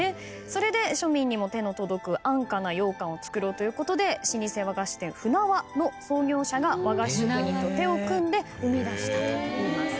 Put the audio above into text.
それで庶民にも手の届く安価なようかんを作ろうということで老舗和菓子店舟和の創業者が和菓子職人と手を組んで生み出したといいます。